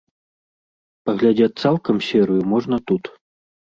Паглядзець цалкам серыю можна тут.